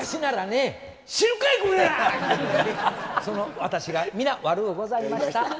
その私が皆悪ぅございました。